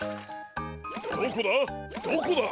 どこだ？